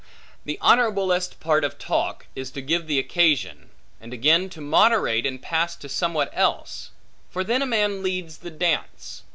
The honorablest part of talk, is to give the occasion; and again to moderate, and pass to somewhat else; for then a man leads the dance.